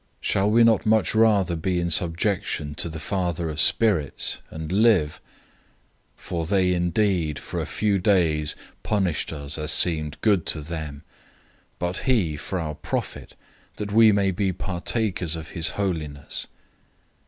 Shall we not much rather be in subjection to the Father of spirits, and live? 012:010 For they indeed, for a few days, punished us as seemed good to them; but he for our profit, that we may be partakers of his holiness.